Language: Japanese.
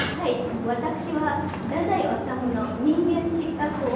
私は太宰治の人間失格を。